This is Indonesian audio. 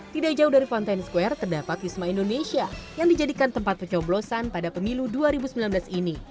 tidak jauh dari fountain square terdapat wisma indonesia yang dijadikan tempat pencoblosan pada pemilu dua ribu sembilan belas ini